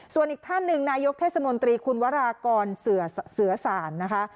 ส่วนอีกท่านหนึ่งนายกเทศมนตรีคุณวรากรเสือสารนะคะ